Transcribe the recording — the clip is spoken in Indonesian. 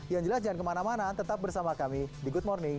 yang jelas jangan kemana mana tetap bersama kami di good morning